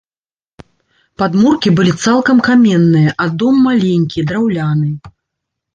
Падмуркі былі цалкам каменныя, а дом маленькі, драўляны.